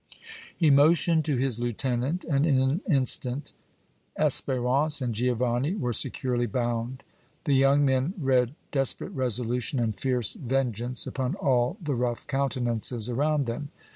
He motioned to his lieutenant and in an instant Espérance and Giovanni were securely bound. The young men read desperate resolution and fierce vengeance upon all the rough countenances around them.